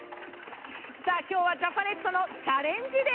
今日はジャパネットのチャレンジデー。